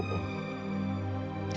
itu udah cukup om